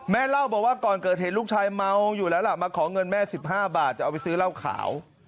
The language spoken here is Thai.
เล่าบอกว่าก่อนเกิดเหตุลูกชายเมาอยู่แล้วล่ะมาขอเงินแม่๑๕บาทจะเอาไปซื้อเหล้าขาว